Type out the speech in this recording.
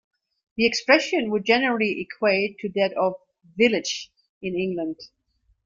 The expression would generally equate to that of "village" in England.